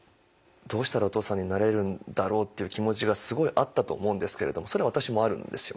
どうしたらお父さんになれるんだろうっていう気持ちがすごいあったと思うんですけれどもそれは私もあるんですよね。